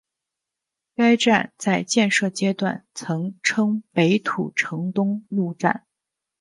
该站在建设阶段曾称北土城东路站。